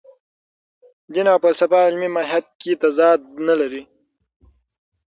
دین او فلسفه علمي ماهیت کې تضاد نه لري.